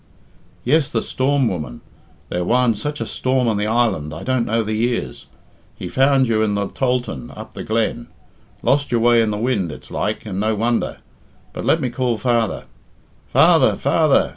"Yes, the storm, woman. There warn such a storm on the island I don't know the years. He found you in the tholthan up the glen. Lost your way in the wind, it's like, and no wonder. But let me call father. Father!